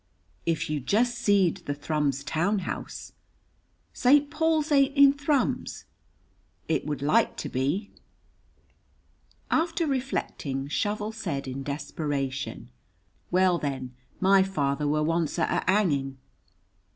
"If you jest seed the Thrums town house!" "St. Paul's ain't in Thrums." "It would like to be." After reflecting, Shovel said in desperation, "Well, then, my father were once at a hanging."